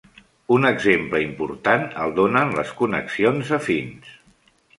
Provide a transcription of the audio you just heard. Un exemple important el donen les connexions afins.